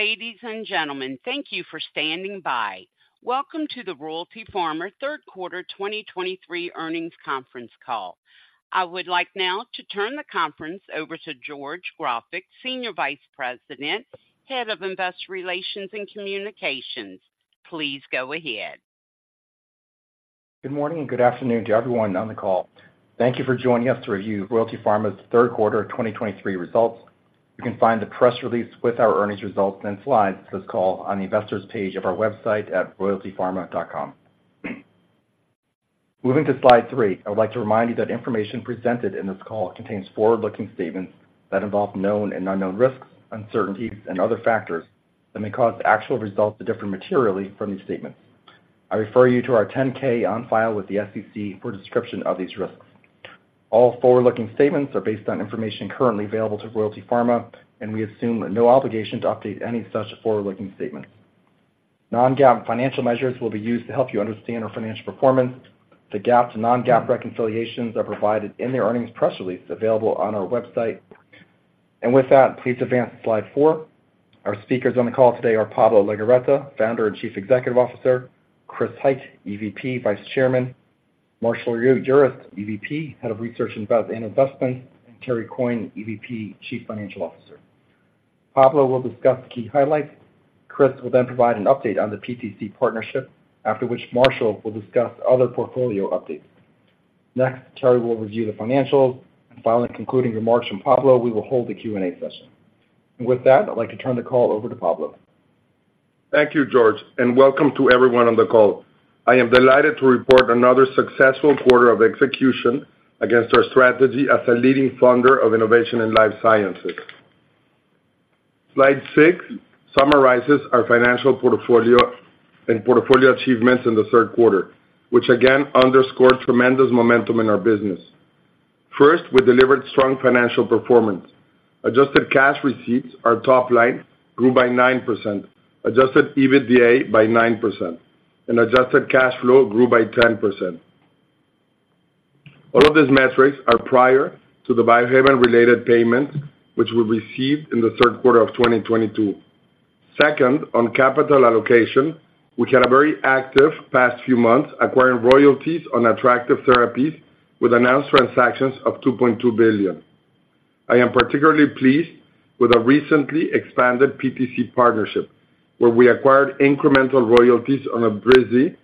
Ladies and gentlemen, thank you for standing by. Welcome to the Royalty Pharma Third Quarter 2023 Earnings Conference Call. I would like now to turn the conference over to George Grofik, Senior Vice President, Head of Investor Relations and Communications. Please go ahead. Good morning and good afternoon to everyone on the call. Thank you for joining us to review Royalty Pharma's third quarter of 2023 results. You can find the press release with our earnings results and Slides for this call on the investors page of our website at royaltypharma.com. Moving to Slide 3, I would like to remind you that information presented in this call contains forward-looking statements that involve known and unknown risks, uncertainties, and other factors that may cause actual results to differ materially from these statements. I refer you to our 10-K on file with the SEC for a description of these risks. All forward-looking statements are based on information currently available to Royalty Pharma, and we assume no obligation to update any such forward-looking statements. Non-GAAP financial measures will be used to help you understand our financial performance. The GAAP to non-GAAP reconciliations are provided in the earnings press release available on our website. And with that, please advance to Slide 4. Our speakers on the call today are Pablo Legorreta, Founder and Chief Executive Officer, Chris Hite, EVP, Vice Chairman, Marshall Urist, EVP, Head of Research and Investments, and Terry Coyne, EVP, Chief Financial Officer. Pablo will discuss the key highlights. Chris will then provide an update on the PTC partnership, after which Marshall will discuss other portfolio updates. Next, Terry will review the financials, and finally, concluding remarks from Pablo, we will hold the Q&A session. And with that, I'd like to turn the call over to Pablo. Thank you, George, and welcome to everyone on the call. I am delighted to report another successful quarter of execution against our strategy as a leading funder of innovation in life sciences. Slide 6 summarizes our financial portfolio and portfolio achievements in the third quarter, which again underscored tremendous momentum in our business. First, we delivered strong financial performance. Adjusted cash receipts, our top line, grew by 9%, Adjusted EBITDA by 9%, and adjusted cash flow grew by 10%. All of these metrics are prior to the Biohaven-related payments, which we received in the third quarter of 2022. Second, on capital allocation, we had a very active past few months acquiring royalties on attractive therapies with announced transactions of $2.2 billion. I am particularly pleased with our recently expanded PTC partnership, where we acquired incremental royalties on Evrysdi,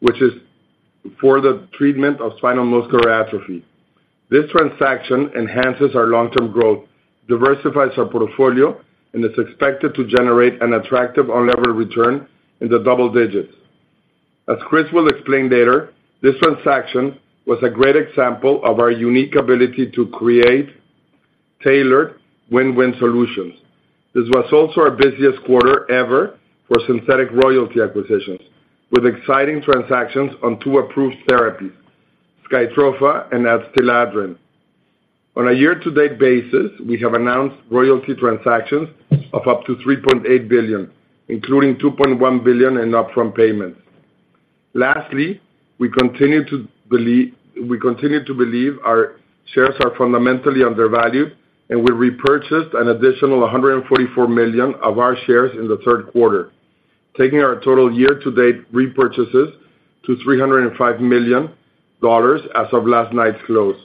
which is for the treatment of spinal muscular atrophy. This transaction enhances our long-term growth, diversifies our portfolio, and is expected to generate an attractive on-level return in the double digits. As Chris will explain later, this transaction was a great example of our unique ability to create tailored win-win solutions. This was also our busiest quarter ever for synthetic royalty acquisitions, with exciting transactions on 2 approved therapies, Skytrofa and Adstiladrin. On a year-to-date basis, we have announced royalty transactions of up to $3.8 billion, including $2.1 billion in upfront payments. Lastly, we continue to believe our shares are fundamentally undervalued, and we repurchased an additional 144 million of our shares in the third quarter, taking our total year-to-date repurchases to $305 million as of last night's close.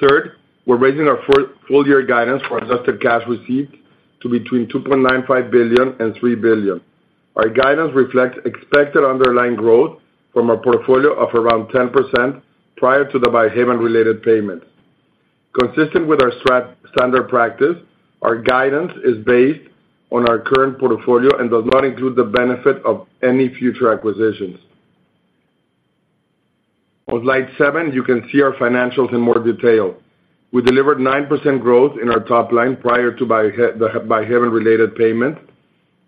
Third, we're raising our full-year guidance for adjusted cash received to between $2.95 billion and $3 billion. Our guidance reflects expected underlying growth from a portfolio of around 10% prior to the Biohaven-related payments. Consistent with our standard practice, our guidance is based on our current portfolio and does not include the benefit of any future acquisitions. On Slide 7, you can see our financials in more detail. We delivered 9% growth in our top line prior to Biohaven, the Biohaven-related payments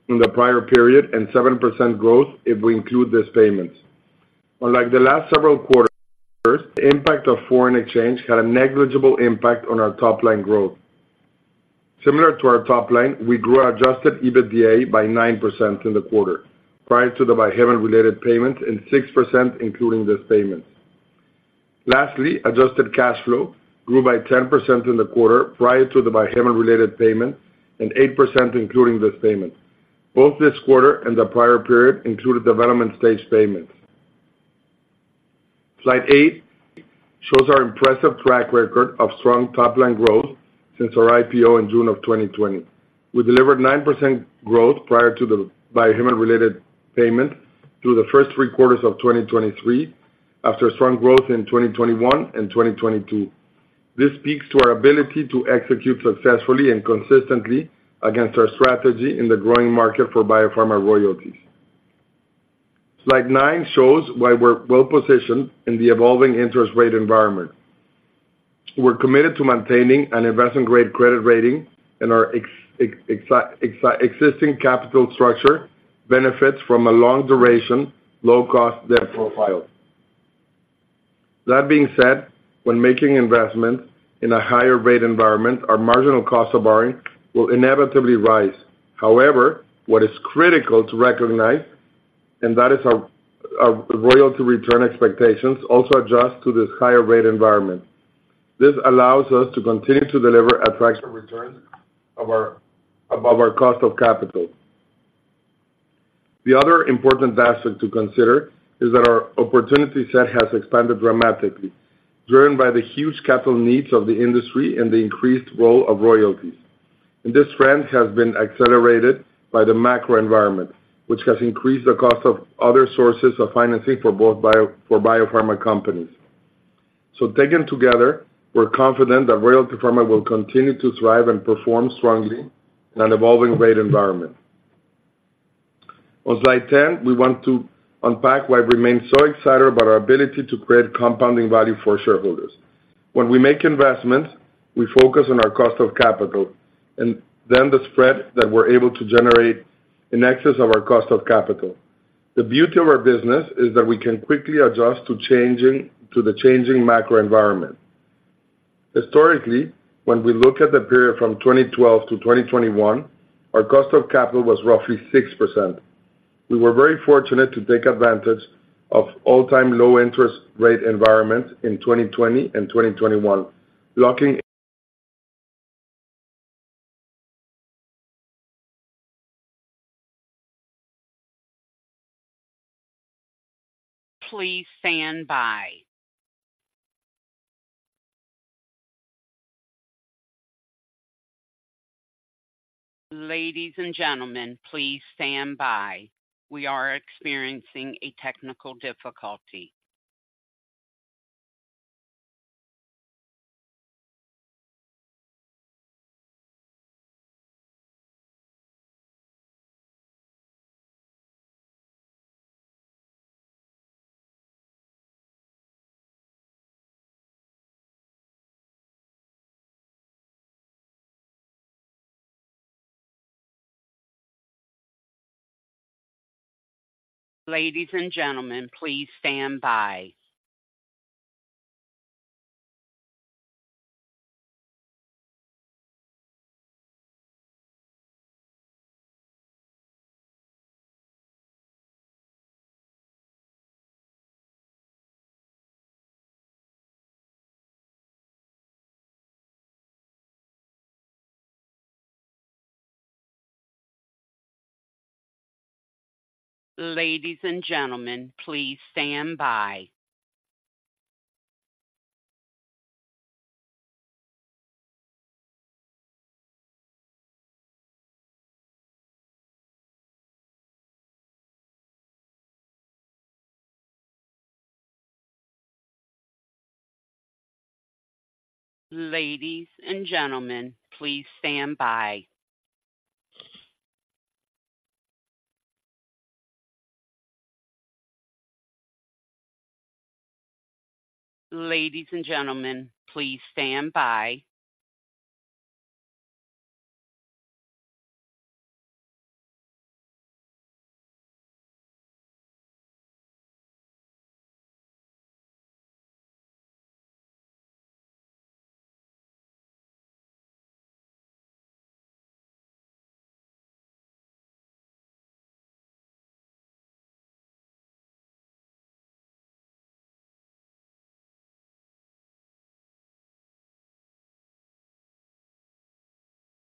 in the prior period, and 7% growth if we include these payments. Unlike the last several quarters, the impact of foreign exchange had a negligible impact on our top-line growth. Similar to our top line, we grew our Adjusted EBITDA by 9% in the quarter prior to the Biohaven-related payments, and 6% including this payment. Lastly, adjusted cash flow grew by 10% in the quarter prior to the Biohaven-related payments and 8% including this payment. Both this quarter and the prior period included development stage payments. Slide 8 shows our impressive track record of strong top-line growth since our IPO in June of 2020. We delivered 9% growth prior to the Biohaven-related payment through the first three quarters of 2023, after strong growth in 2021 and 2022. This speaks to our ability to execute successfully and consistently against our strategy in the growing market for biopharma royalties. Slide 9 shows why we're well-positioned in the evolving interest rate environment. We're committed to maintaining an investment-grade credit rating and our existing capital structure benefits from a long-duration, low-cost debt profile. That being said, when making investments in a higher rate environment, our marginal cost of borrowing will inevitably rise. However, what is critical to recognize and that is our royalty return expectations also adjust to this higher rate environment. This allows us to continue to deliver attractive returns above our cost of capital. The other important aspect to consider is that our opportunity set has expanded dramatically, driven by the huge capital needs of the industry and the increased role of royalties. This trend has been accelerated by the macro environment, which has increased the cost of other sources of financing for both biopharma companies. So taken together, we're confident that Royalty Pharma will continue to thrive and perform strongly in an evolving rate environment. On Slide ten, we want to unpack why we remain so excited about our ability to create compounding value for shareholders. When we make investments, we focus on our cost of capital and then the spread that we're able to generate in excess of our cost of capital. The beauty of our business is that we can quickly adjust to changing, to the changing macro environment. Historically, when we look at the period from 2012 to 2021, our cost of capital was roughly 6%. We were very fortunate to take advantage of all-time low interest rate environment in 2020 and 2021, locking- If you would just go to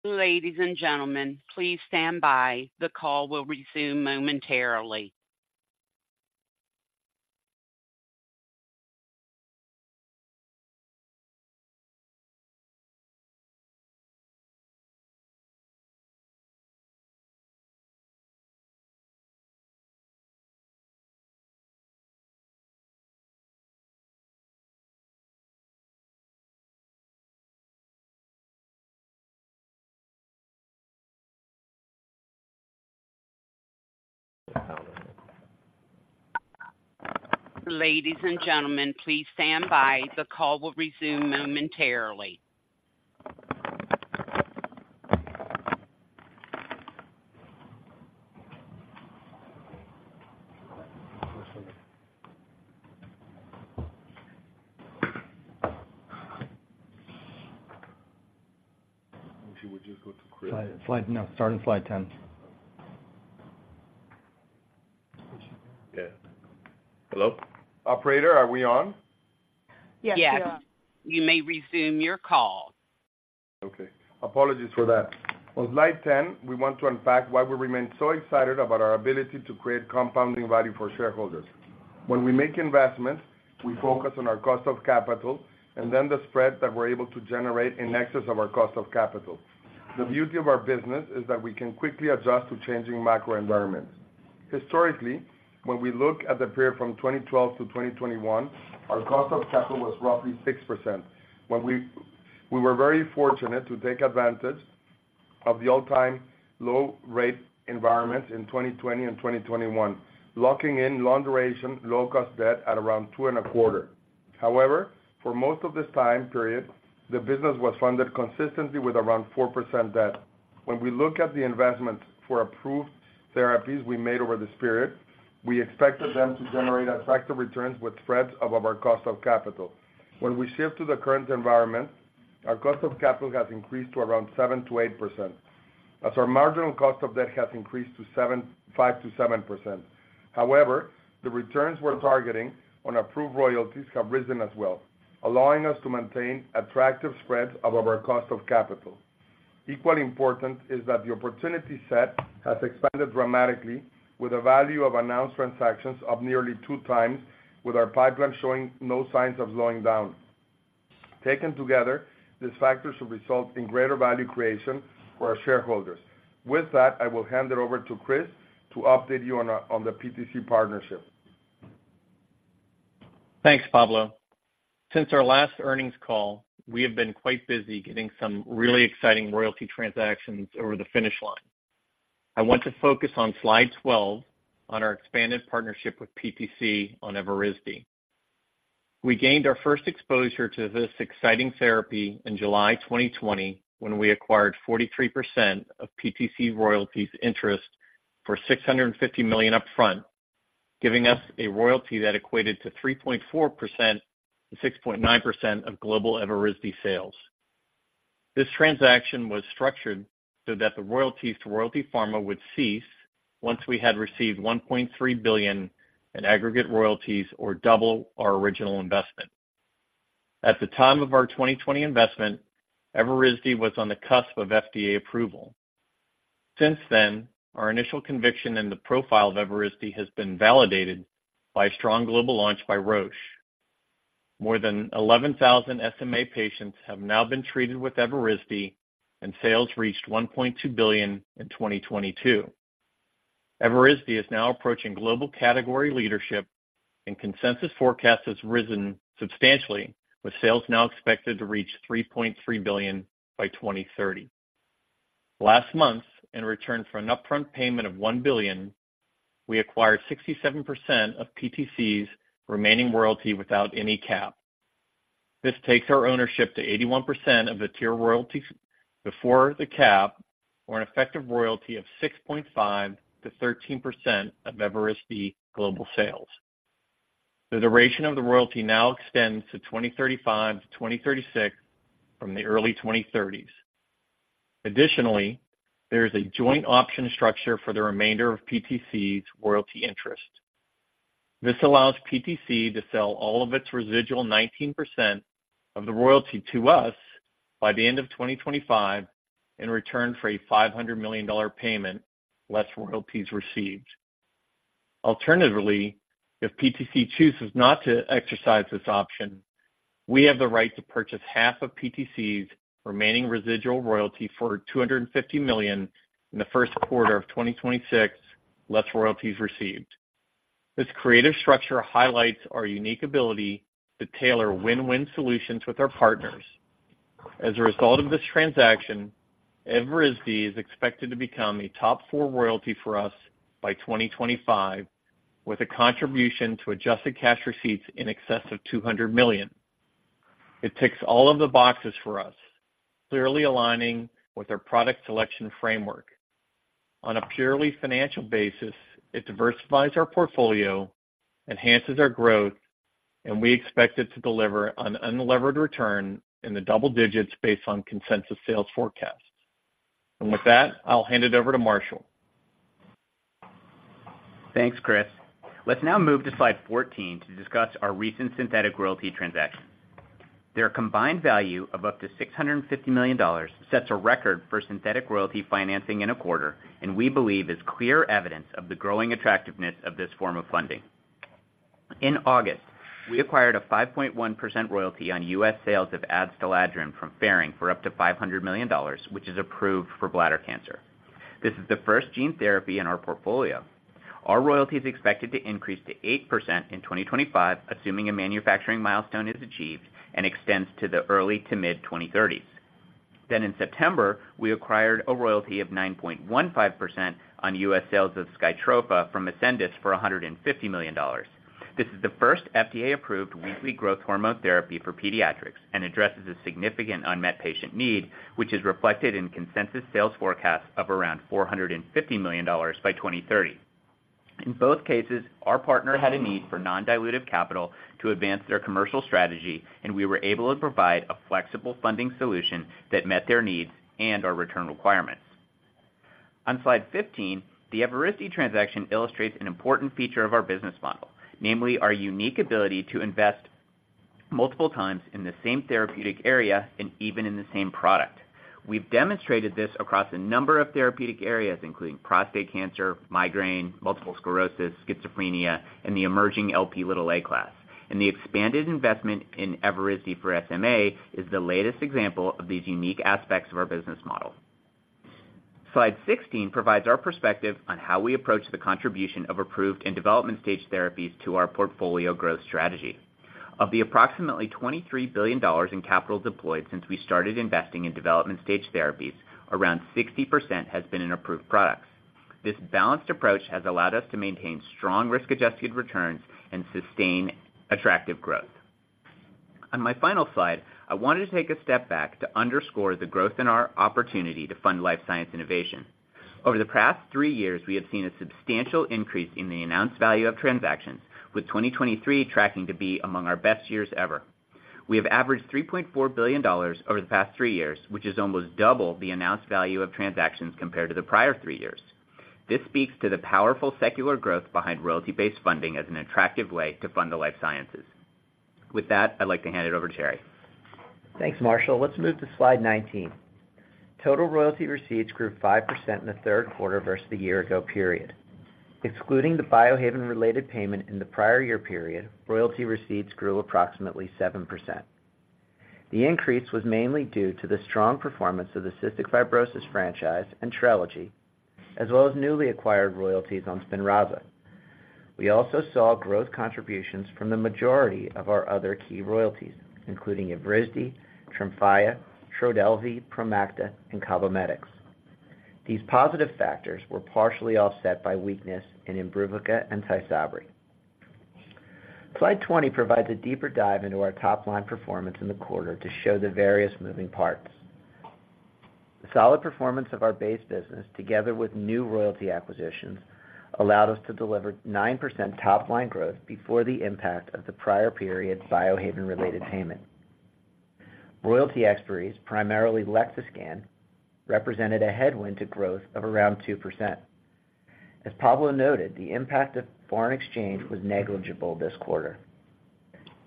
Chris. Slide. No, start on Slide 10. Yeah. Hello? Operator, are we on? Yes, we are. You may resume your call. Okay. Apologies for that. On Slide 10, we want to unpack why we remain so excited about our ability to create compounding value for shareholders. When we make investments, we focus on our cost of capital and then the spread that we're able to generate in excess of our cost of capital. The beauty of our business is that we can quickly adjust to changing macro environments. Historically, when we look at the period from 2012 to 2021, our cost of capital was roughly 6%. When we were very fortunate to take advantage of the all-time low rate environment in 2020 and 2021, locking in long-duration, low-cost debt at around 2.25. However, for most of this time period, the business was funded consistently with around 4% debt. When we look at the investments for approved therapies we made over this period, we expected them to generate attractive returns with spreads above our cost of capital. When we shift to the current environment, our cost of capital has increased to around 7%-8%, as our marginal cost of debt has increased to 5%-7%. However, the returns we're targeting on approved royalties have risen as well, allowing us to maintain attractive spreads above our cost of capital. Equally important is that the opportunity set has expanded dramatically, with a value of announced transactions up nearly 2x, with our pipeline showing no signs of slowing down. Taken together, these factors should result in greater value creation for our shareholders. With that, I will hand it over to Chris to update you on the PTC partnership. Thanks, Pablo. Since our last earnings call, we have been quite busy getting some really exciting royalty transactions over the finish line. I want to focus on Slide 12 on our expanded partnership with PTC on Evrysdi. We gained our first exposure to this exciting therapy in July 2020, when we acquired 43% of PTC royalty's interest for $650 million upfront, giving us a royalty that equated to 3.4%-6.9% of global Evrysdi sales. This transaction was structured so that the royalties to Royalty Pharma would cease once we had received $1.3 billion in aggregate royalties or double our original investment. At the time of our 2020 investment, Evrysdi was on the cusp of FDA approval. Since then, our initial conviction in the profile of Evrysdi has been validated by a strong global launch by Roche. More than 11,000 SMA patients have now been treated with Evrysdi, and sales reached $1.2 billion in 2022. Evrysdi is now approaching global category leadership, and consensus forecast has risen substantially, with sales now expected to reach $3.3 billion by 2030. Last month, in return for an upfront payment of $1 billion, we acquired 67% of PTC's remaining royalty without any cap. This takes our ownership to 81% of the tiered royalties before the cap, or an effective royalty of 6.5%-13% of Evrysdi global sales. The duration of the royalty now extends to 2035-2036 from the early 2030s. Additionally, there is a joint option structure for the remainder of PTC's royalty interest. This allows PTC to sell all of its residual 19% of the royalty to us by the end of 2025, in return for a $500 million payment, less royalties received. Alternatively, if PTC chooses not to exercise this option, we have the right to purchase half of PTC's remaining residual royalty for $250 million in the first quarter of 2026, less royalties received. This creative structure highlights our unique ability to tailor win-win solutions with our partners. As a result of this transaction, Evrysdi is expected to become a top four royalty for us by 2025, with a contribution to adjusted cash receipts in excess of $200 million. It ticks all of the boxes for us, clearly aligning with our product selection framework. On a purely financial basis, it diversifies our portfolio, enhances our growth, and we expect it to deliver an unlevered return in the double digits based on consensus sales forecasts. With that, I'll hand it over to Marshall. Thanks, Chris. Let's now move to Slide 14 to discuss our recent synthetic royalty transaction. Their combined value of up to $650 million sets a record for synthetic royalty financing in a quarter, and we believe is clear evidence of the growing attractiveness of this form of funding. In August, we acquired a 5.1% royalty on US sales of Adstiladrin from Ferring for up to $500 million, which is approved for bladder cancer. This is the first gene therapy in our portfolio. Our royalty is expected to increase to 8% in 2025, assuming a manufacturing milestone is achieved and extends to the early-to-mid-2030s. Then in September, we acquired a royalty of 9.15% on US sales of Skytrofa from Ascendis for $150 million. This is the first FDA-approved weekly growth hormone therapy for pediatrics and addresses a significant unmet patient need, which is reflected in consensus sales forecasts of around $450 million by 2030. In both cases, our partner had a need for non-dilutive capital to advance their commercial strategy, and we were able to provide a flexible funding solution that met their needs and our return requirements. On Slide 15, the Evrysdi transaction illustrates an important feature of our business model, namely our unique ability to invest multiple times in the same therapeutic area and even in the same product. We've demonstrated this across a number of therapeutic areas, including prostate cancer, migraine, multiple sclerosis, schizophrenia, and the emerging Lp(a) class, and the expanded investment in Evrysdi for SMA is the latest example of these unique aspects of our business model. Slide 16 provides our perspective on how we approach the contribution of approved and development-stage therapies to our portfolio growth strategy. Of the approximately $23 billion in capital deployed since we started investing in development-stage therapies, around 60% has been in approved products. This balanced approach has allowed us to maintain strong risk-adjusted returns and sustain attractive growth. On my final Slide, I wanted to take a step back to underscore the growth in our opportunity to fund life science innovation. Over the past three years, we have seen a substantial increase in the announced value of transactions, with 2023 tracking to be among our best years ever. We have averaged $3.4 billion over the past three years, which is almost double the announced value of transactions compared to the prior three years. This speaks to the powerful secular growth behind royalty-based funding as an attractive way to fund the life sciences. With that, I'd like to hand it over to Terry. Thanks, Marshall. Let's move to Slide 19. Total royalty receipts grew 5% in the third quarter versus the year ago period. Excluding the Biohaven-related payment in the prior year period, royalty receipts grew approximately 7%. The increase was mainly due to the strong performance of the cystic fibrosis franchise and Trelegy, as well as newly acquired royalties on Spinraza. We also saw growth contributions from the majority of our other key royalties, including Evrysdi, Tremfya, Trodelvy, Promacta, and Cabometyx These positive factors were partially offset by weakness in Imbruvica and Tysabri. Slide 20 provides a deeper dive into our top-line performance in the quarter to show the various moving parts. The solid performance of our base business, together with new royalty acquisitions, allowed us to deliver 9% top-line growth before the impact of the prior period's Biohaven-related payment. Royalty expiries, primarily Lexiscan, represented a headwind to growth of around 2%. As Pablo noted, the impact of foreign exchange was negligible this quarter.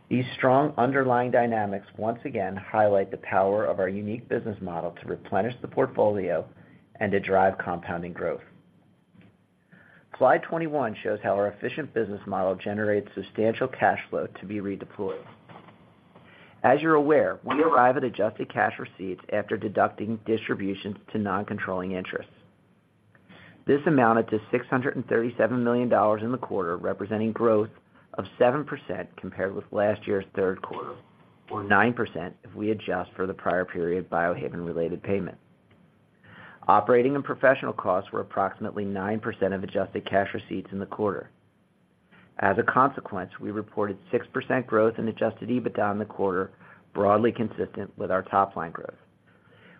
These strong underlying dynamics once again highlight the power of our unique business model to replenish the portfolio and to drive compounding growth. Slide 21 shows how our efficient business model generates substantial cash flow to be redeployed. As you're aware, we arrive at Adjusted Cash Receipts after deducting distributions to non-controlling interests. This amounted to $637 million in the quarter, representing growth of 7% compared with last year's third quarter, or 9% if we adjust for the prior period Biohaven-related payment. Operating and professional costs were approximately 9% of Adjusted Cash Receipts in the quarter. As a consequence, we reported 6% growth in Adjusted EBITDA in the quarter, broadly consistent with our top-line growth.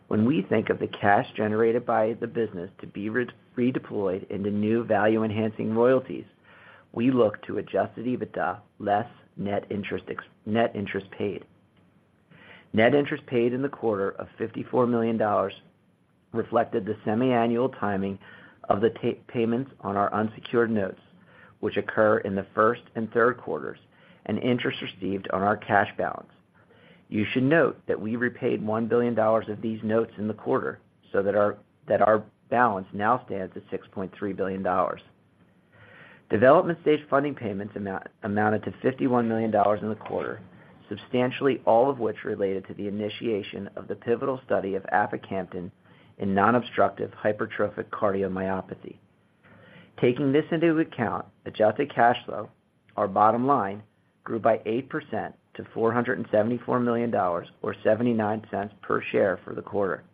When we think of the cash generated by the business to be redeployed into new value-enhancing royalties, we look to Adjusted EBITDA less net interest paid. Net interest paid in the quarter of $54 million reflected the semiannual timing of the payments on our unsecured notes, which occur in the first and third quarters, and interest received on our cash balance. You should note that we repaid $1 billion of these notes in the quarter, so that our balance now stands at $6.3 billion. Development stage funding payments amounted to $51 million in the quarter, substantially all of which related to the initiation of the pivotal study of aficamten in non-obstructive hypertrophic cardiomyopathy. Taking this into account, Adjusted Cash Flow, our bottom line, grew by 8% to $474 million or 79 cents per share for the quarter.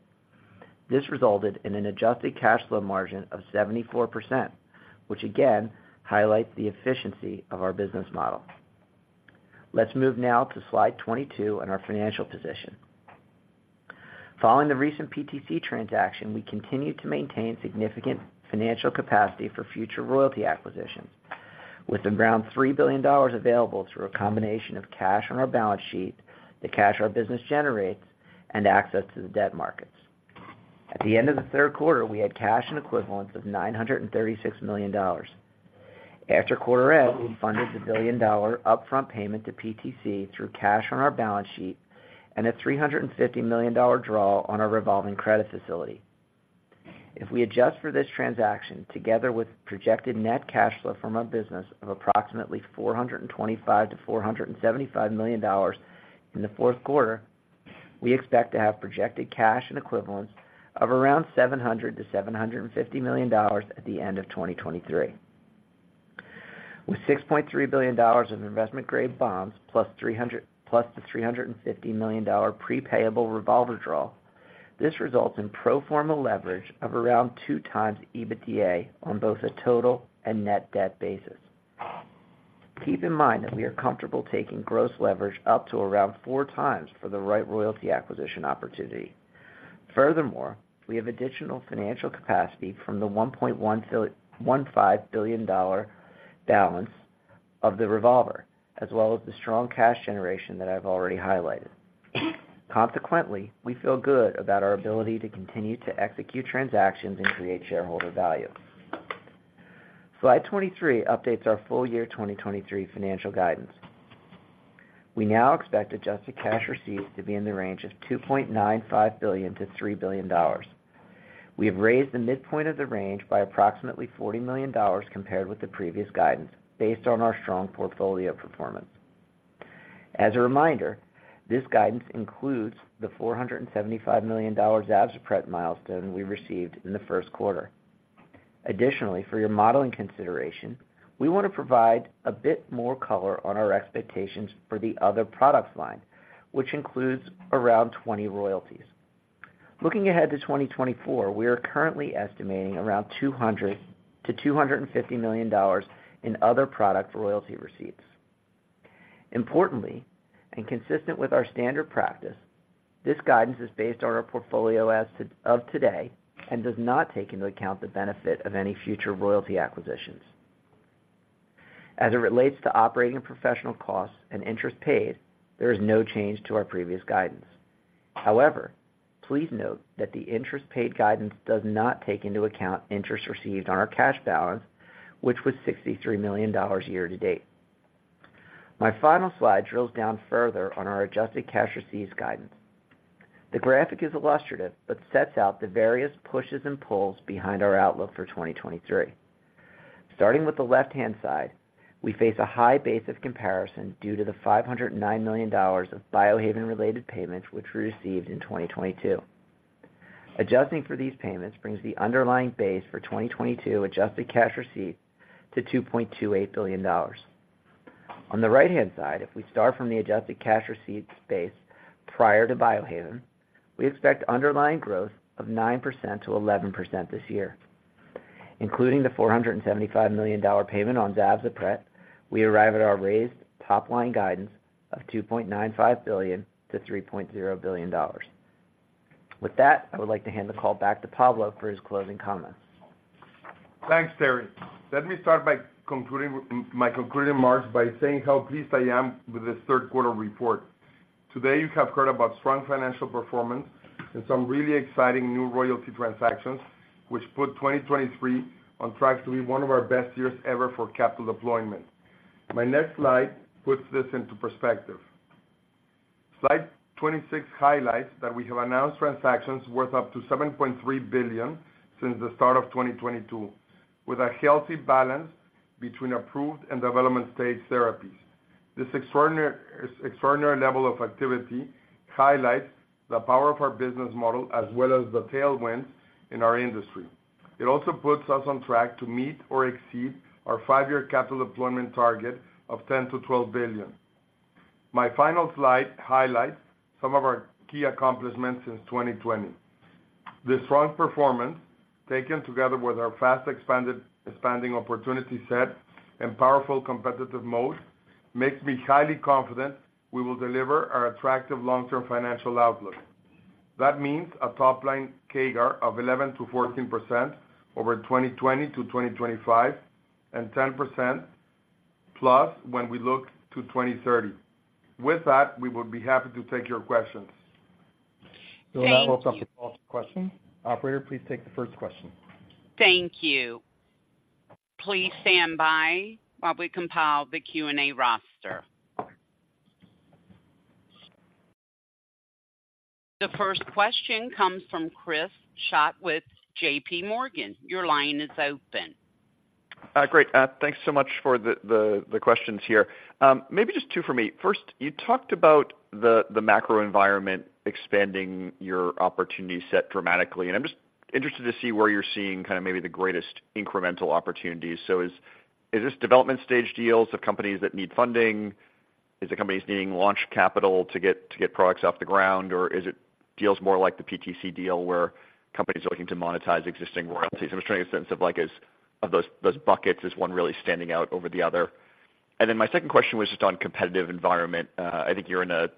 This resulted in an Adjusted Cash Flow margin of 74%, which again highlights the efficiency of our business model. Let's move now to Slide 22 and our financial position. Following the recent PTC transaction, we continue to maintain significant financial capacity for future royalty acquisitions, with around $3 billion available through a combination of cash on our balance sheet, the cash our business generates, and access to the debt markets. At the end of the third quarter, we had cash and equivalents of $936 million. After quarter end, we funded the $1 billion upfront payment to PTC through cash on our balance sheet and a $350 million draw on our revolving credit facility. If we adjust for this transaction, together with projected net cash flow from our business of approximately $425 million-$475 million in the fourth quarter, we expect to have projected cash and equivalents of around $700 million-$750 million at the end of 2023. With $6.3 billion in investment-grade bonds, plus the $350 million prepayable revolver draw, this results in pro forma leverage of around 2x EBITDA on both a total and net debt basis. Keep in mind that we are comfortable taking gross leverage up to around 4x for the right royalty acquisition opportunity. Furthermore, we have additional financial capacity from the $1.15 billion balance of the revolver, as well as the strong cash generation that I've already highlighted. Consequently, we feel good about our ability to continue to execute transactions and create shareholder value. Slide 23 updates our full year 2023 financial guidance. We now expect adjusted cash receipts to be in the range of $2.95 billion-$3 billion. We have raised the midpoint of the range by approximately $40 million compared with the previous guidance, based on our strong portfolio performance. As a reminder, this guidance includes the $475 million Zavzpret milestone we received in the first quarter. Additionally, for your modeling consideration, we want to provide a bit more color on our expectations for the other products line, which includes around 20 royalties. Looking ahead to 2024, we are currently estimating around $200 million-$250 million in other product royalty receipts.... Importantly, and consistent with our standard practice, this guidance is based on our portfolio as of today and does not take into account the benefit of any future royalty acquisitions. As it relates to operating professional costs and interest paid, there is no change to our previous guidance. However, please note that the interest paid guidance does not take into account interest received on our cash balance, which was $63 million year to date. My final Slide drills down further on our Adjusted Cash Receipts guidance. The graphic is illustrative, but sets out the various pushes and pulls behind our outlook for 2023. Starting with the left-hand side, we face a high base of comparison due to the $509 million of Biohaven-related payments, which were received in 2022. Adjusting for these payments brings the underlying base for 2022 adjusted cash receipts to $2.28 billion. On the right-hand side, if we start from the adjusted cash receipts base prior to Biohaven, we expect underlying growth of 9%-11% this year. Including the $475 million payment on dapagliflozin, we arrive at our raised top line guidance of $2.95 billion-$3.0 billion. With that, I would like to hand the call back to Pablo for his closing comments. Thanks, Terry. Let me start by concluding with my concluding remarks by saying how pleased I am with this third quarter report. Today, you have heard about strong financial performance and some really exciting new royalty transactions, which put 2023 on track to be one of our best years ever for capital deployment. My next Slide puts this into perspective. Slide 26 highlights that we have announced transactions worth up to $7.3 billion since the start of 2022, with a healthy balance between approved and development-stage therapies. This extraordinary, extraordinary level of activity highlights the power of our business model as well as the tailwinds in our industry. It also puts us on track to meet or exceed our five-year capital deployment target of $10 billion-$12 billion. My final Slide highlights some of our key accomplishments since 2020. This strong performance, taken together with our fast-expanding opportunity set and powerful competitive moat, makes me highly confident we will deliver our attractive long-term financial outlook. That means a top-line CAGR of 11%-14% over 2020 to 2025, and 10%+ when we look to 2030. With that, we would be happy to take your questions. Thank you. We'll now open up to questions. Operator, please take the first question. Thank you. Please stand by while we compile the Q&A roster. The first question comes from Chris Schott with JPMorgan. Your line is open. Great. Thanks so much for the questions here. Maybe just two for me. First, you talked about the macro environment expanding your opportunity set dramatically, and I'm just interested to see where you're seeing kind of maybe the greatest incremental opportunities. So is this development stage deals of companies that need funding? Is it companies needing launch capital to get products off the ground, or is it deals more like the PTC deal, where companies are looking to monetize existing royalties? I'm just trying to get a sense of, like, of those buckets, is one really standing out over the other? And then my second question was just on competitive environment. I think you're in a,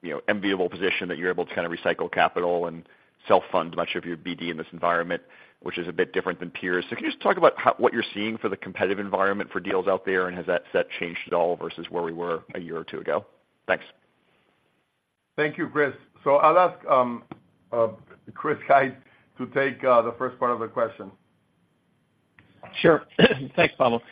you know, enviable position that you're able to kind of recycle capital and self-fund much of your BD in this environment, which is a bit different than peers. So can you just talk about how—what you're seeing for the competitive environment for deals out there, and has that set changed at all versus where we were a year or two ago? Thanks. Thank you, Chris. So I'll ask Chris Hite to take the first part of the question. Sure. Thanks, Pablo.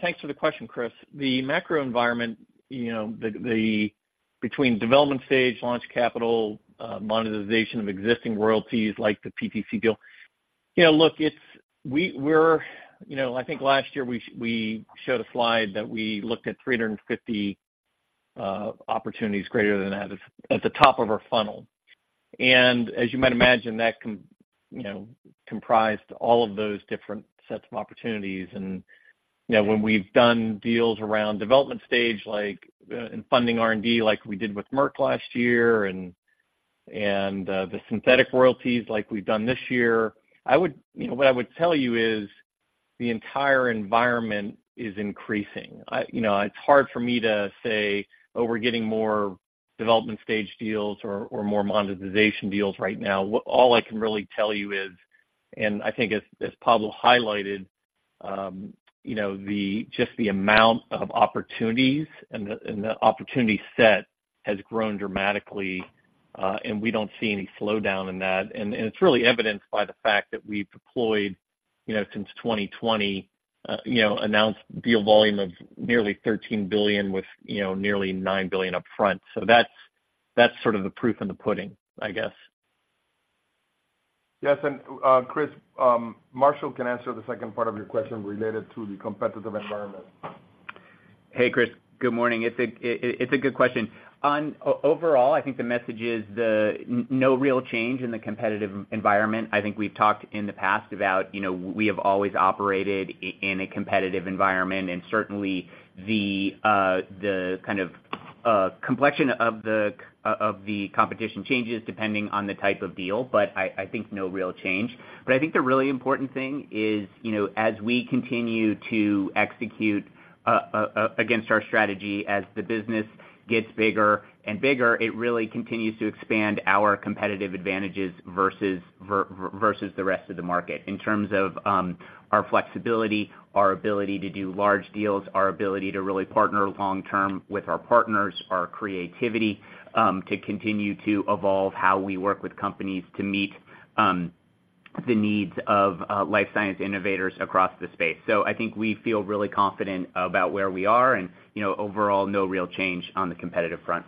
Thanks for the question, Chris. The macro environment, you know, the, the between development stage, launch capital, monetization of existing royalties like the PTC deal, you know, look, it's -- we're, you know, I think last year we, we showed a Slide that we looked at 350, opportunities greater than that at the, at the top of our funnel. And as you might imagine, that com- you know, comprised all of those different sets of opportunities. And, you know, when we've done deals around development stage, like, in funding R&D, like we did with Merck last year and, and, the synthetic royalties like we've done this year, I would... You know, what I would tell you is, the entire environment is increasing. You know, it's hard for me to say, "Oh, we're getting more development stage deals or, or more monetization deals right now." All I can really tell you is, and I think as, as Pablo highlighted, you know, the, just the amount of opportunities and the, and the opportunity set has grown dramatically, and we don't see any slowdown in that. And, it's really evidenced by the fact that we've deployed, you know, since 2020, you know, announced deal volume of nearly $13 billion with, you know, nearly $9 billion upfront. So that's, that's sort of the proof in the pudding, I guess. Yes, and, Chris, Marshall can answer the second part of your question related to the competitive environment. Hey, Chris, good morning. It's a good question. On overall, I think the message is no real change in the competitive environment. I think we've talked in the past about, you know, we have always operated in a competitive environment, and certainly the kind of-... complexion of the competition changes depending on the type of deal, but I think no real change. But I think the really important thing is, you know, as we continue to execute against our strategy, as the business gets bigger and bigger, it really continues to expand our competitive advantages versus versus the rest of the market. In terms of our flexibility, our ability to do large deals, our ability to really partner long-term with our partners, our creativity to continue to evolve how we work with companies to meet the needs of life science innovators across the space. So I think we feel really confident about where we are, and, you know, overall, no real change on the competitive front.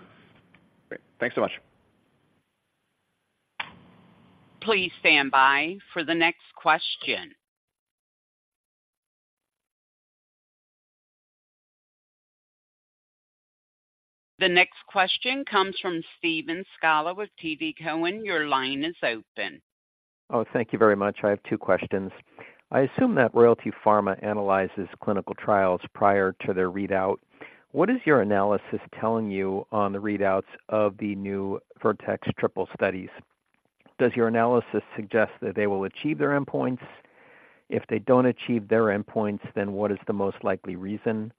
Great. Thanks so much. Please stand by for the next question. The next question comes from Steven Scala with TD Cowen. Your line is open. Oh, thank you very much. I have two questions. I assume that Royalty Pharma analyzes clinical trials prior to their readout. What is your analysis telling you on the readouts of the new Vertex triple studies? Does your analysis suggest that they will achieve their endpoints? If they don't achieve their endpoints, then what is the most likely reason?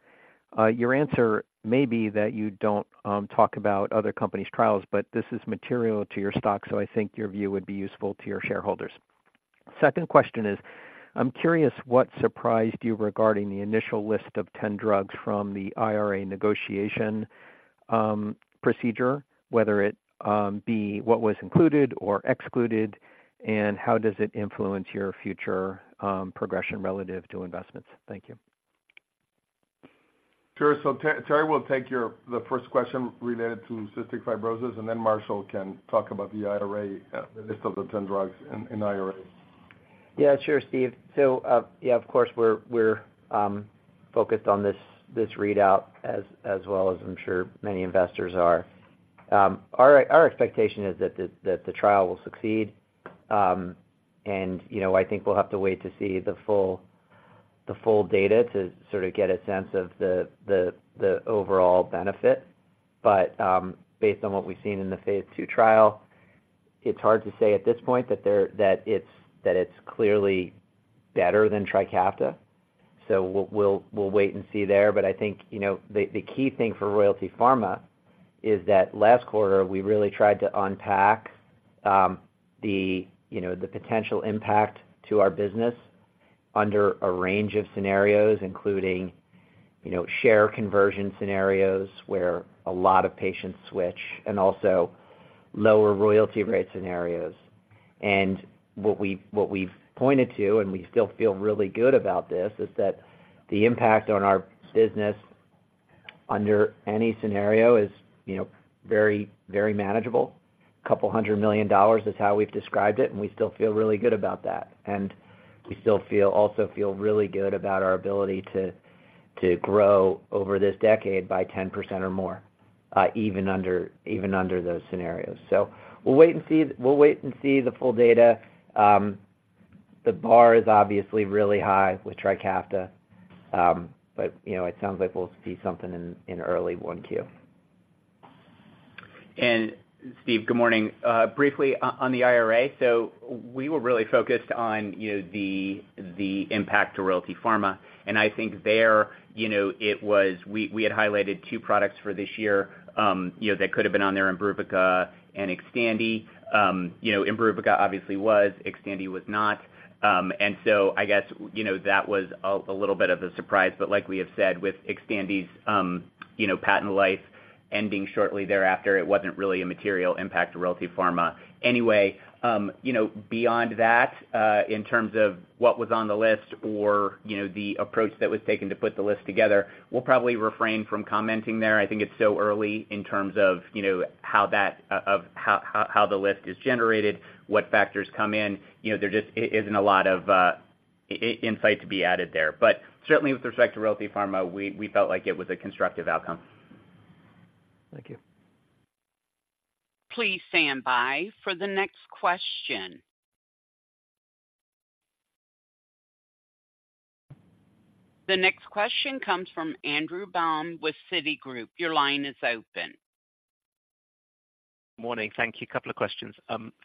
Your answer may be that you don't talk about other companies' trials, but this is material to your stock, so I think your view would be useful to your shareholders. Second question is, I'm curious what surprised you regarding the initial list of 10 drugs from the IRA negotiation procedure, whether it be what was included or excluded, and how does it influence your future progression relative to investments? Thank you. Sure. So Terry will take your the first question related to cystic fibrosis, and then Marshall can talk about the IRA, the list of the 10 drugs in IRA. Yeah, sure, Steve. So, yeah, of course, we're focused on this readout as well as I'm sure many investors are. Our expectation is that the trial will succeed. You know, I think we'll have to wait to see the full data to sort of get a sense of the overall benefit. But, based on what we've seen in the phase II trial, it's hard to say at this point that it's clearly better than Trikafta. We'll wait and see there. But I think, you know, the key thing for Royalty Pharma is that last quarter, we really tried to unpack the, you know, the potential impact to our business under a range of scenarios, including, you know, share conversion scenarios, where a lot of patients switch, and also lower royalty rate scenarios. And what we've pointed to, and we still feel really good about this, is that the impact on our business under any scenario is, you know, very, very manageable. $200 million is how we've described it, and we still feel really good about that. And we still feel also feel really good about our ability to grow over this decade by 10% or more, even under those scenarios. So we'll wait and see, we'll wait and see the full data. The bar is obviously really high with Trikafta, but, you know, it sounds like we'll see something in early 1Q. Steve, good morning. Briefly on the IRA, so we were really focused on, you know, the impact to Royalty Pharma, and I think there, you know, it was. We had highlighted two products for this year, you know, that could have been on there, IMBRUVICA and Xtandi. You know, IMBRUVICA obviously was, Xtandi was not. And so I guess, you know, that was a little bit of a surprise, but like we have said, with Xtandi's, you know, patent life ending shortly thereafter, it wasn't really a material impact to Royalty Pharma. Anyway, you know, beyond that, in terms of what was on the list or, you know, the approach that was taken to put the list together, we'll probably refrain from commenting there. I think it's so early in terms of, you know, how that of how the list is generated, what factors come in. You know, there just isn't a lot of insight to be added there. But certainly, with respect to Royalty Pharma, we, we felt like it was a constructive outcome. Thank you. Please stand by for the next question. The next question comes from Andrew Baum with Citigroup. Your line is open. Morning. Thank you. A couple of questions.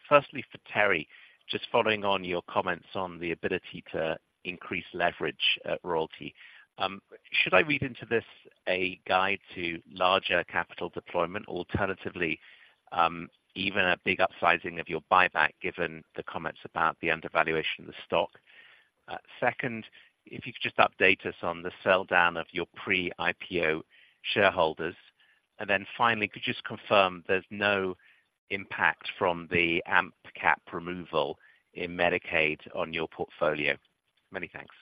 Firstly, for Terry, just following on your comments on the ability to increase leverage at Royalty. Should I read into this a guide to larger capital deployment or alternatively, even a big upsizing of your buyback, given the comments about the undervaluation of the stock? Second, if you could just update us on the sell-down of your pre-IPO shareholders. And then finally, could you just confirm there's no impact from the amp cap removal in Medicaid on your portfolio? Many thanks.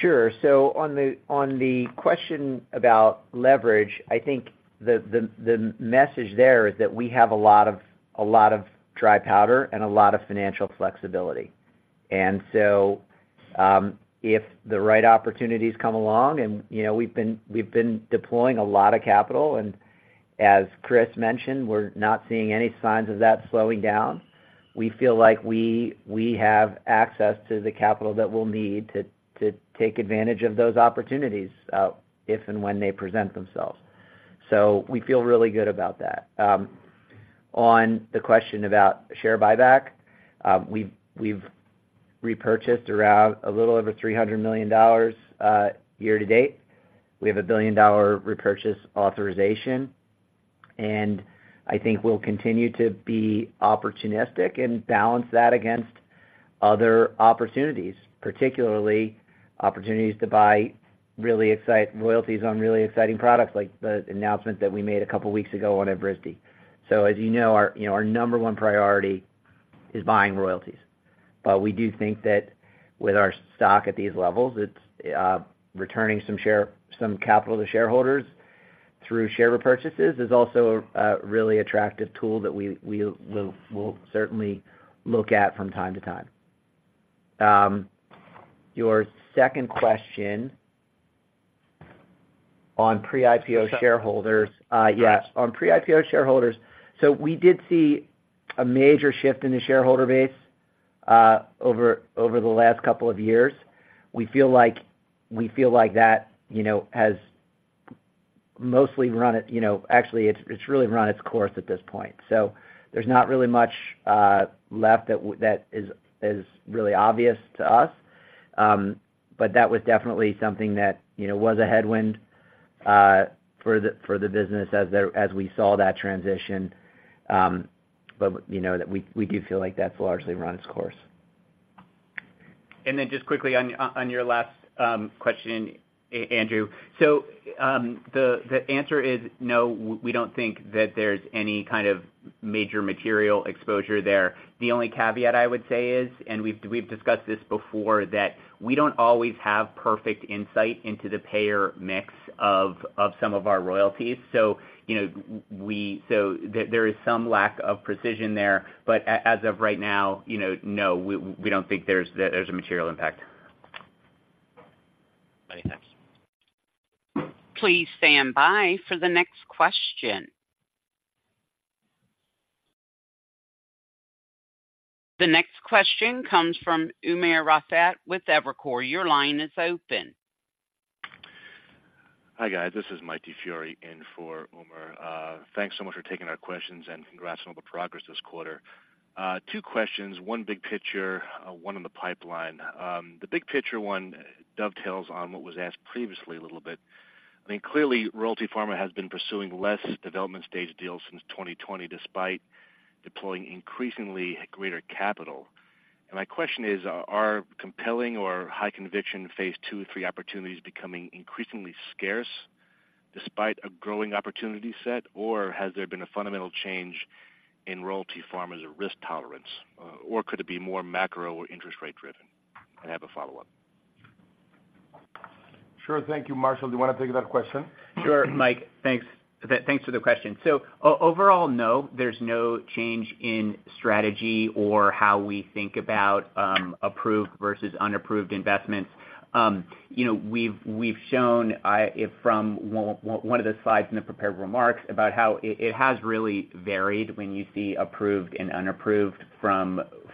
Sure. So on the question about leverage, I think the message there is that we have a lot of dry powder and a lot of financial flexibility. And so, if the right opportunities come along and, you know, we've been deploying a lot of capital, and as Chris mentioned, we're not seeing any signs of that slowing down. We feel like we have access to the capital that we'll need to take advantage of those opportunities, if and when they present themselves. So we feel really good about that. On the question about share buyback, we've repurchased around a little over $300 million year-to-date. We have a billion-dollar repurchase authorization, and I think we'll continue to be opportunistic and balance that against other opportunities, particularly opportunities to buy royalties on really exciting products, like the announcement that we made a couple of weeks ago on Evrysdi. So as you know, our, you know, our number one priority is buying royalties. But we do think that with our stock at these levels, it's returning some capital to shareholders through share repurchases is also a really attractive tool that we will certainly look at from time to time. Your second question on pre-IPO shareholders. Yes, on pre-IPO shareholders. So we did see a major shift in the shareholder base over the last couple of years. We feel like, we feel like that, you know, has mostly run it, you know, actually, it's, it's really run its course at this point. So there's not really much left that that is, is really obvious to us. But that was definitely something that, you know, was a headwind for the, for the business as the, as we saw that transition. But, you know, that we, we do feel like that's largely run its course. And then just quickly on your last question, Andrew. So, the answer is no, we don't think that there's any kind of major material exposure there. The only caveat I would say is, and we've discussed this before, that we don't always have perfect insight into the payer mix of some of our royalties. So, you know, so there is some lack of precision there, but as of right now, you know, no, we don't think there's a material impact. Many thanks. Please stand by for the next question. The next question comes from Umair Rafat with Evercore. Your line is open. Hi, guys. This is Mike DiFiore in for Umair. Thanks so much for taking our questions, and congrats on all the progress this quarter. Two questions, one big picture, one on the pipeline. The big picture one dovetails on what was asked previously a little bit. I mean, clearly, Royalty Pharma has been pursuing less development stage deals since 2020, despite deploying increasingly greater capital. And my question is, are compelling or high conviction phase II, III opportunities becoming increasingly scarce despite a growing opportunity set? Or has there been a fundamental change in Royalty Pharma's risk tolerance? Or could it be more macro or interest rate driven? I have a follow-up. Sure. Thank you. Marshall, do you want to take that question? Sure, Mike. Thanks. Thanks for the question. So overall, no, there's no change in strategy or how we think about approved versus unapproved investments. You know, we've shown. From one of the Slides in the prepared remarks about how it has really varied when you see approved and unapproved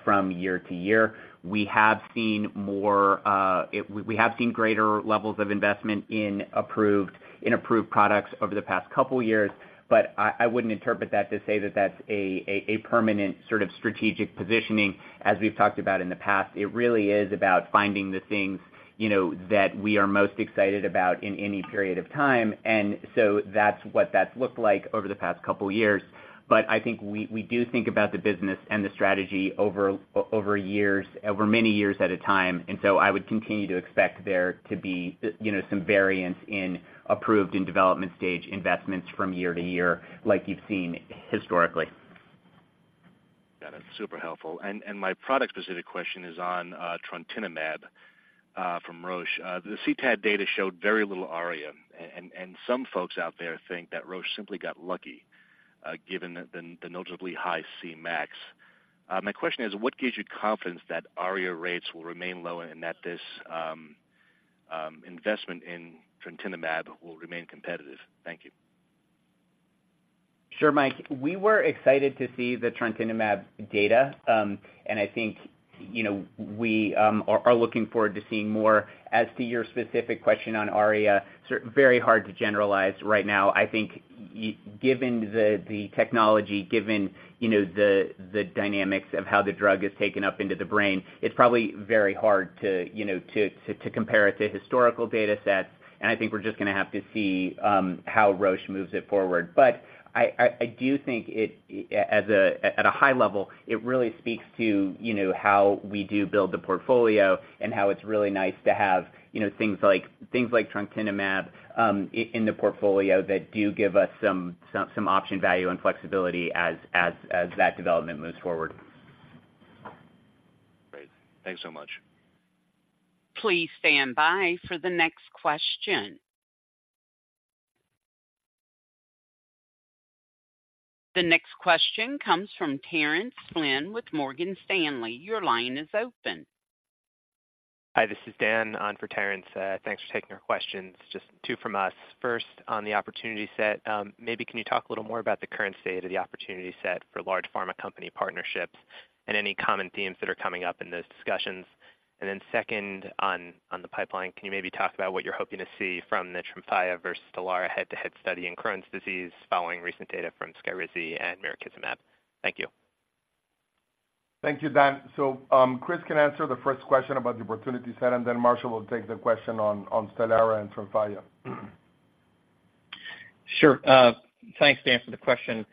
from year to year. We have seen more, we have seen greater levels of investment in approved, in approved products over the past couple of years, but I, I wouldn't interpret that to say that that's a permanent sort of strategic positioning. As we've talked about in the past, it really is about finding the things, you know, that we are most excited about in any period of time, and so that's what that's looked like over the past couple of years. But I think we do think about the business and the strategy over years, over many years at a time. And so I would continue to expect there to be, you know, some variance in approved and development stage investments from year to year, like you've seen historically. Got it. Super helpful. And my product-specific question is on trontinemab from Roche. The CTAD data showed very little ARIA, and some folks out there think that Roche simply got lucky, given the noticeably high Cmax. My question is, what gives you confidence that ARIA rates will remain low and that this investment in trontinemab will remain competitive? Thank you. Sure, Mike. We were excited to see the trontinemab data, and I think, you know, we are looking forward to seeing more. As to your specific question on ARIA, very hard to generalize right now. I think given the, the technology, given, you know, the, the dynamics of how the drug is taken up into the brain, it's probably very hard to, you know, to, to compare it to historical data sets. And I think we're just gonna have to see how Roche moves it forward. But I do think it, as a—at a high level, it really speaks to, you know, how we do build the portfolio and how it's really nice to have, you know, things like, things like trontinemab, in the portfolio that do give us some option value and flexibility as that development moves forward. Great. Thanks so much. Please stand by for the next question. The next question comes from Terence Flynn with Morgan Stanley. Your line is open. Hi, this is Dan on for Terrance. Thanks for taking our questions. Just two from us. First, on the opportunity set, maybe can you talk a little more about the current state of the opportunity set for large pharma company partnerships and any common themes that are coming up in those discussions? And then second, on the pipeline, can you maybe talk about what you're hoping to see from the TREMFYA versus Stelara head-to-head study in Crohn's disease, following recent data from Skyrizi and mirikizumab? Thank you. Thank you, Dan. So, Chris can answer the first question about the opportunity set, and then Marshall will take the question on Stelara and TREMFYA. Sure. Thanks, Dan, for the question.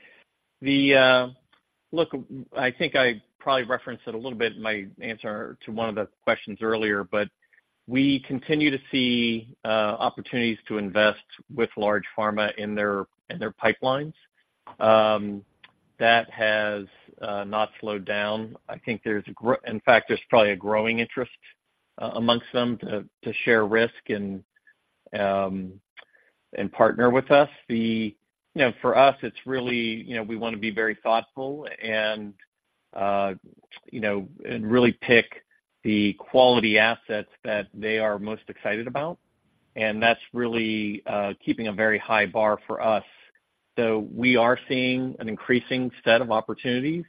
The look, I think I probably referenced it a little bit in my answer to one of the questions earlier, but we continue to see opportunities to invest with large pharma in their pipelines. That has not slowed down. I think there's, in fact, probably a growing interest amongst them to share risk and partner with us. You know, for us, it's really, you know, we wanna be very thoughtful and really pick the quality assets that they are most excited about. And that's really keeping a very high bar for us. So we are seeing an increasing set of opportunities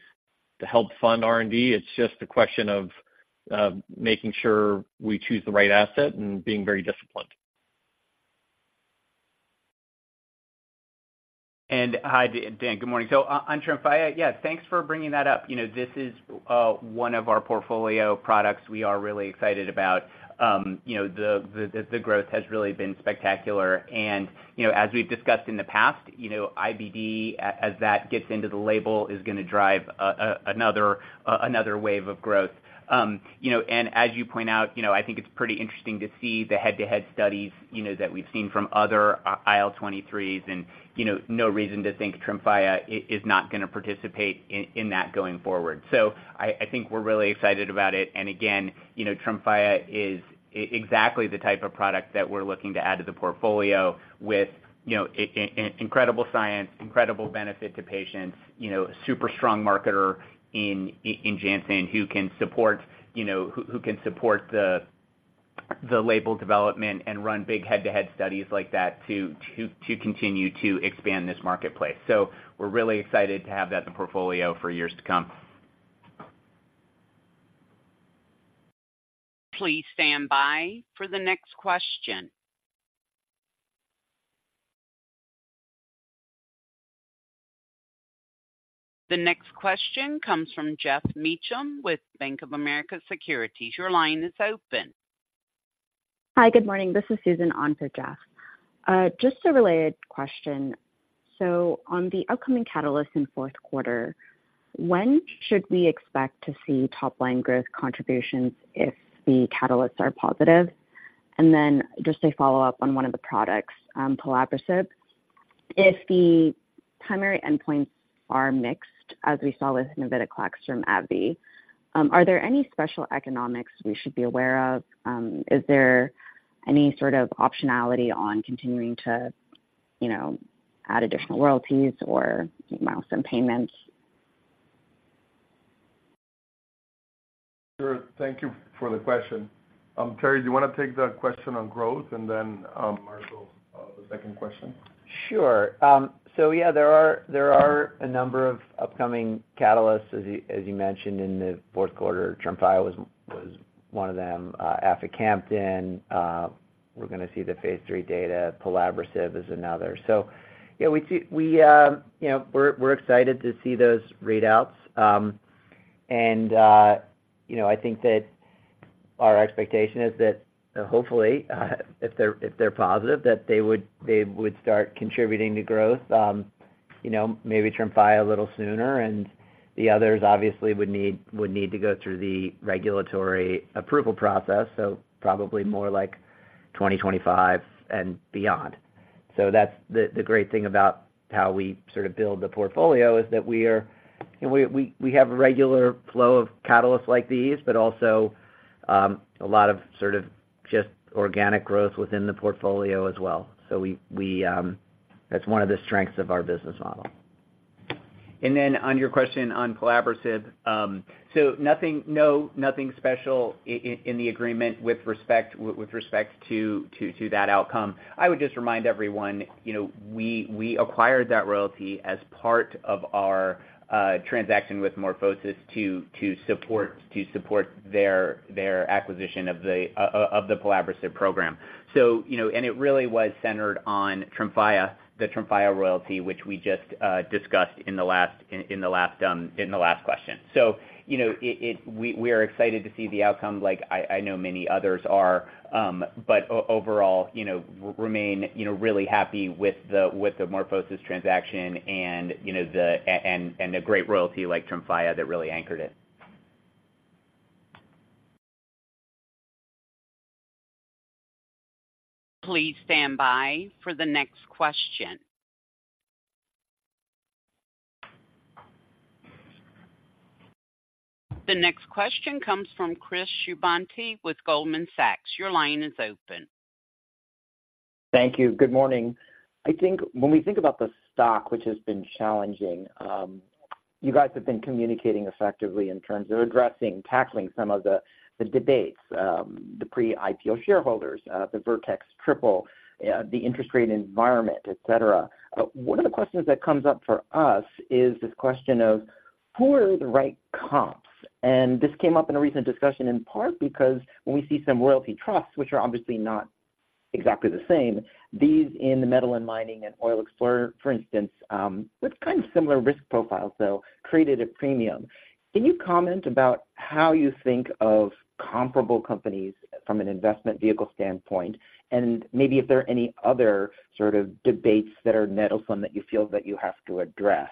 to help fund R&D. It's just a question of making sure we choose the right asset and being very disciplined. And hi, Dan, good morning. So on TREMFYA, yeah, thanks for bringing that up. You know, this is one of our portfolio products we are really excited about. You know, the growth has really been spectacular. And, you know, as we've discussed in the past, you know, IBD as that gets into the label, is gonna drive another wave of growth. You know, and as you point out, you know, I think it's pretty interesting to see the head-to-head studies, you know, that we've seen from other IL-23s, and, you know, no reason to think TREMFYA is not gonna participate in that going forward. So I think we're really excited about it. And again, you know, TREMFYA is exactly the type of product that we're looking to add to the portfolio with, you know, incredible science, incredible benefit to patients, you know, super strong marketer in Janssen, who can support, you know, who can support the label development and run big head-to-head studies like that to continue to expand this marketplace. So we're really excited to have that in the portfolio for years to come. Please stand by for the next question. The next question comes from Geoff Meacham with Bank of America Securities. Your line is open. Hi, good morning. This is Susan on for Jeff. Just a related question. So on the upcoming catalyst in fourth quarter, when should we expect to see top-line growth contributions if the catalysts are positive? And then just a follow-up on one of the products, pelabresib. If the primary endpoints are mixed, as we saw with navitoclax from AbbVie, are there any special economics we should be aware of? Is there any sort of optionality on continuing to, you know, add additional royalties or milestone payments? Sure. Thank you for the question. Terry, do you wanna take the question on growth and then, Marshall, the second question? Sure. So yeah, there are a number of upcoming catalysts, as you mentioned, in the fourth quarter. TREMFYA was one of them. Aficamten, we're gonna see the phase III data. pelabresib is another. So yeah, we see, you know, we're excited to see those readouts. And, you know, I think that our expectation is that hopefully, if they're positive, that they would start contributing to growth. You know, maybe TREMFYA a little sooner, and the others obviously would need to go through the regulatory approval process, so probably more like 2025 and beyond. So that's the great thing about how we sort of build the portfolio, is that we are... We have a regular flow of catalysts like these, but also a lot of sort of just organic growth within the portfolio as well. So we... that's one of the strengths of our business model. And then on your question on pelabresib, so nothing special in the agreement with respect to that outcome. I would just remind everyone, you know, we acquired that royalty as part of our transaction with Morphosys to support their acquisition of the pelabresib program. So, you know, and it really was centered on TREMFYA, the TREMFYA royalty, which we just discussed in the last question. So, you know, we are excited to see the outcome, like I know many others are, but overall, you know, remain really happy with the Morphosys transaction and, you know, and the great royalty like TREMFYA that really anchored it. Please stand by for the next question. The next question comes from Chris Shibutani with Goldman Sachs. Your line is open. Thank you. Good morning. I think when we think about the stock, which has been challenging, you guys have been communicating effectively in terms of addressing, tackling some of the, the debates, the pre-IPO shareholders, the Vertex triple, the interest rate environment, et cetera. But one of the questions that comes up for us is this question of who are the right comps? And this came up in a recent discussion, in part because when we see some royalty trusts, which are obviously not exactly the same, these in the metal and mining and oil explorer, for instance, with kind of similar risk profiles, though, created a premium. Can you comment about how you think of comparable companies from an investment vehicle standpoint? And maybe if there are any other sort of debates that are nettlesome that you feel that you have to address.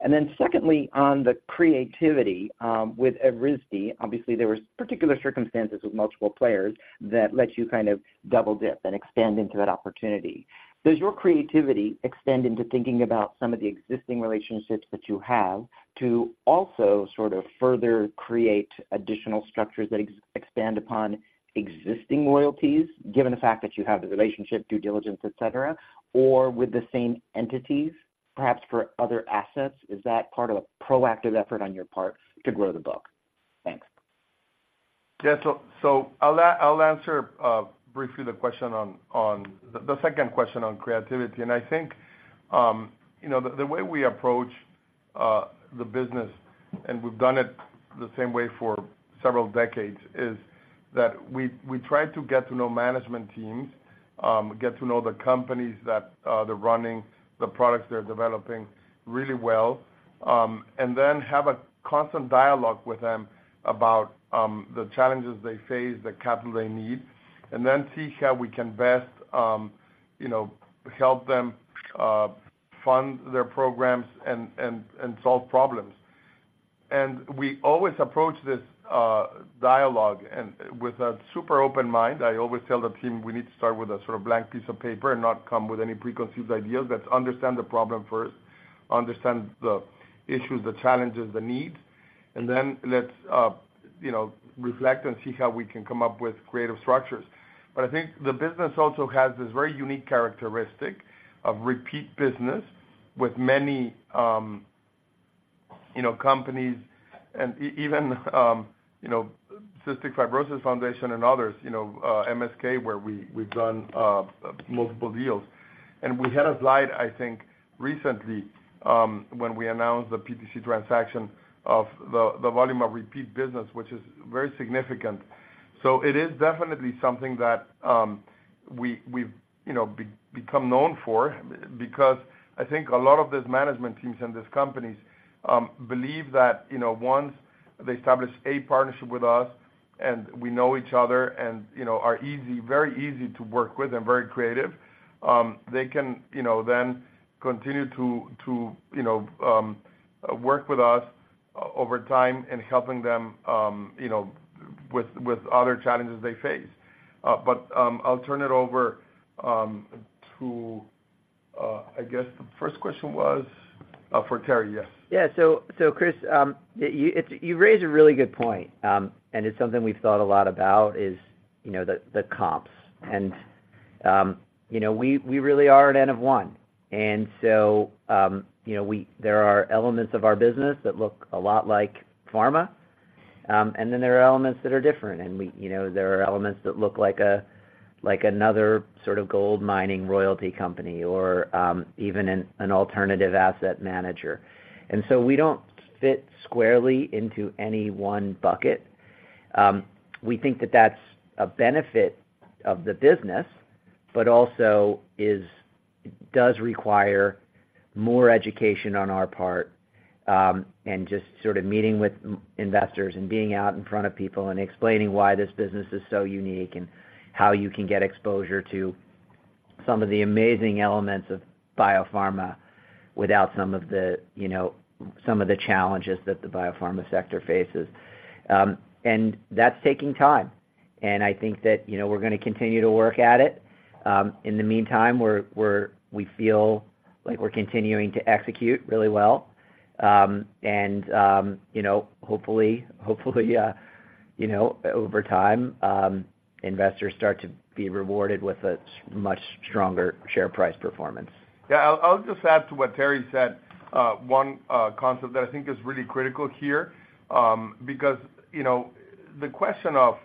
And then secondly, on the creativity, with Evrysdi, obviously, there were particular circumstances with multiple players that let you kind of double dip and expand into that opportunity. Does your creativity extend into thinking about some of the existing relationships that you have to also sort of further create additional structures that expand upon existing royalties, given the fact that you have the relationship, due diligence, et cetera, et cetera, or with the same entities, perhaps for other assets? Is that part of a proactive effort on your part to grow the book? Thanks. Yeah. So, I'll answer briefly the question on the second question on creativity. And I think, you know, the way we approach the business, and we've done it the same way for several decades, is that we try to get to know management teams, get to know the companies that they're running, the products they're developing really well, and then have a constant dialogue with them about the challenges they face, the capital they need, and then see how we can best, you know, help them fund their programs and solve problems. And we always approach this dialogue with a super open mind. I always tell the team, we need to start with a sort of blank piece of paper and not come with any preconceived ideas. Let's understand the problem first, understand the issues, the challenges, the needs, and then let's, you know, reflect and see how we can come up with creative structures. But I think the business also has this very unique characteristic of repeat business with many, you know, companies and even, you know, Cystic Fibrosis Foundation and others, you know, MSK, where we, we've done, multiple deals. And we had a Slide, I think, recently, when we announced the PTC transaction of the, the volume of repeat business, which is very significant. So it is definitely something that, we’ve, you know, become known for, because I think a lot of these management teams and these companies, believe that, you know, once they establish a partnership with us, and we know each other and, you know, are easy, very easy to work with and very creative, they can, you know, then continue to, you know, work with us over time in helping them, you know, with other challenges they face. But, I’ll turn it over to I guess the first question was for Terry, yes. Yeah. So, Chris, you raise a really good point, and it's something we've thought a lot about, you know, the comps. And, you know, we really are an N of one. And so, you know, there are elements of our business that look a lot like pharma, and then there are elements that are different. And we, you know, there are elements that look like a, like another sort of gold mining royalty company or, even an alternative asset manager. And so we don't fit squarely into any one bucket. We think that that's a benefit of the business, but also does require more education on our part, and just sort of meeting with investors and being out in front of people and explaining why this business is so unique, and how you can get exposure to some of the amazing elements of biopharma without some of the, you know, some of the challenges that the biopharma sector faces. And that's taking time, and I think that, you know, we're gonna continue to work at it. In the meantime, we feel like we're continuing to execute really well. And, you know, hopefully, you know, over time, investors start to be rewarded with a much stronger share price performance. Yeah, I'll just add to what Terry said. One concept that I think is really critical here, because, you know, the question of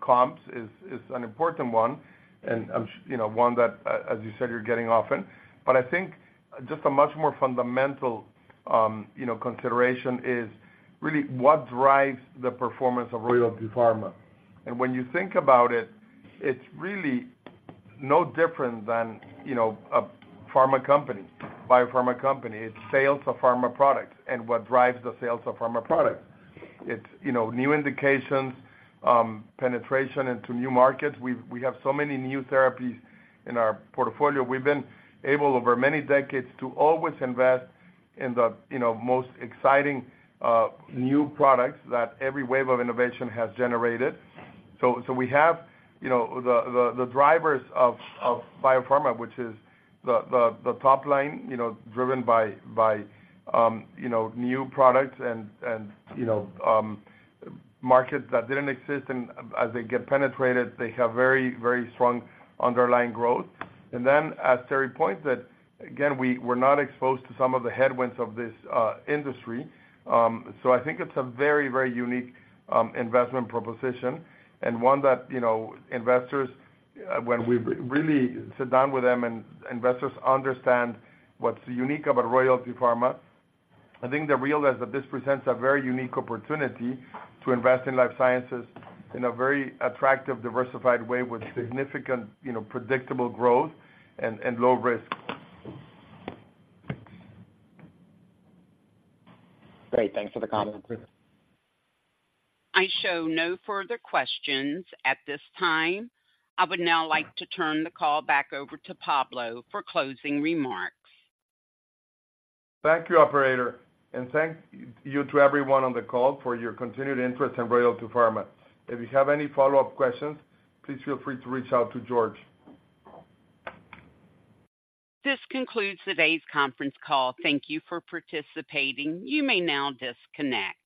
comps is an important one, and, you know, one that, as you said, you're getting often. But I think just a much more fundamental, you know, consideration is really what drives the performance of Royalty Pharma? And when you think about it, it's really no different than, you know, a pharma company, biopharma company. It's sales of pharma products and what drives the sales of pharma products. It's, you know, new indications, penetration into new markets. We have so many new therapies in our portfolio. We've been able, over many decades, to always invest in the, you know, most exciting, new products that every wave of innovation has generated. So, we have, you know, the drivers of biopharma, which is the top line, you know, driven by, by, you know, new products and, and, you know, markets that didn't exist, and as they get penetrated, they have very, very strong underlying growth. And then, as Terry points out, again, we're not exposed to some of the headwinds of this industry. So I think it's a very, very unique investment proposition and one that, you know, investors, when we really sit down with them and investors understand what's unique about Royalty Pharma, I think they realize that this presents a very unique opportunity to invest in life sciences in a very attractive, diversified way with significant, you know, predictable growth and low risk. Great. Thanks for the comment, Chris. I show no further questions at this time. I would now like to turn the call back over to Pablo for closing remarks. Thank you, operator, and thank you to everyone on the call for your continued interest in Royalty Pharma. If you have any follow-up questions, please feel free to reach out to George. This concludes today's conference call. Thank you for participating. You may now disconnect.